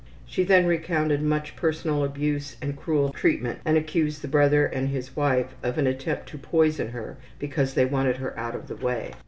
She then recounted much personal abuse and cruel treatment, and accused the brother and his wife of an attempt to poison her because they wanted her out of the way.